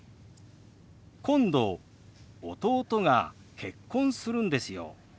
「今度弟が結婚するんですよ」。